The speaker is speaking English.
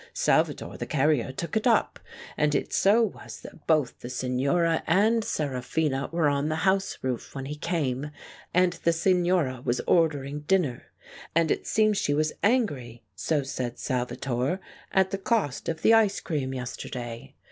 Salvatore, the carrier, took it up, and it so was that both the Signora and Seraphina were on the house roof when he came, and the Signora was ordering dinner. And it seems she was angry, so said Salvatore, at the cost of the ice cream yesterday.